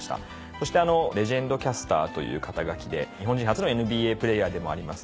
そしてレジェンドキャスターという肩書で日本人初のＮＢＡプレーヤーでもあります